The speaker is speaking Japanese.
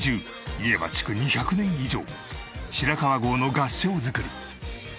家は築２００年以上白川郷の合掌造り。